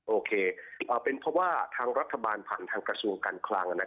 โอเคเป็นเพราะว่าทางรัฐบาลผ่านทางกระทรวงการคลัง